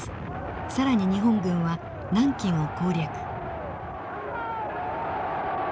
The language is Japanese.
更に日本軍は南京を攻略。